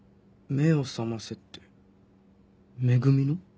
「めをさませ」って「め組」の？